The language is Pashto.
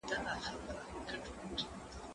زه بايد ږغ واورم،